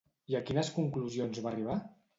I a quines conclusions va arribar?